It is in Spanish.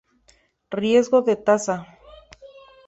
Riesgo de Tasa.